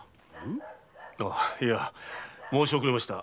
ん⁉申し遅れました。